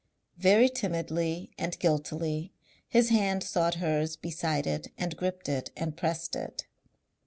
Very timidly and guiltily his hand sought hers beside it and gripped it and pressed it.